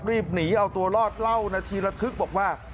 รีบหนีเอาตัวรอดเล่านาทีระทึกบอกว่า